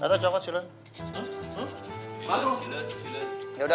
kamu tuh ngeselin banget